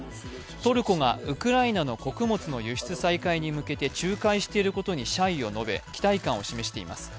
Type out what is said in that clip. トルコがウクライナの穀物の輸出再開に向けて仲介していることに謝意を述べ、期待感を示しています